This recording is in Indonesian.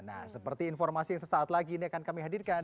nah seperti informasi yang sesaat lagi ini akan kami hadirkan